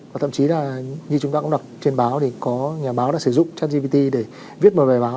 và thậm chí là như chúng ta cũng đọc trên báo thì có nhà báo đã sử dụng chat gpt để viết một bài báo